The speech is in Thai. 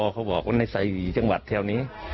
เขาบอกว่าในไซวีจังหวัดแถวนี้